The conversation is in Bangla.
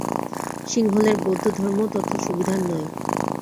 সিংহলের বৌদ্ধধর্মও তত সুবিধার নয়।